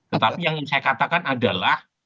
tetapi yang ingin saya katakan adalah